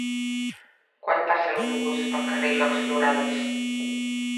Quan passa l'autobús pel carrer Jocs Florals?